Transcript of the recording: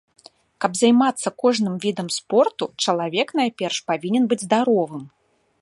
Каб займацца кожным відам спорту, чалавек найперш павінен быць здаровым.